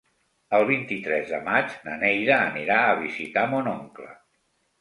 El vint-i-tres de maig na Neida anirà a visitar mon oncle.